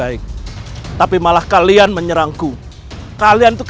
aku tidak akan menangkapmu